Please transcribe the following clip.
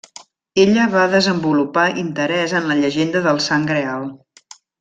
Ella va desenvolupar interès en la llegenda del Sant Greal.